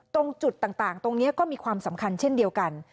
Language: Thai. ตรงจุดต่างตรงนี้ก็มีความสำคัญเช่นเดียวกัน